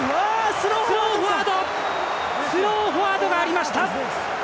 スローフォワードがありました。